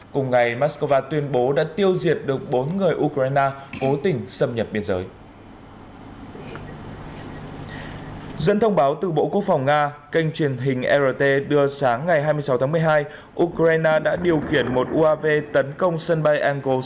cùng ngày moscow tuyên bố đã tiêu diệt được bốn người ukraine cố tình xâm nhập biên giới